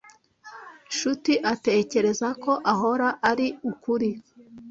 Nshuti atekereza ko ahora ari ukuri.